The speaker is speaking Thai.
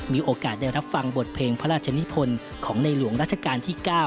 มีโอกาสได้รับฟังบทเพลงพระราชนิพลของในหลวงราชการที่๙